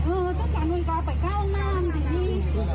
เออต้องพ่อเอาไปเข้านานที่นี่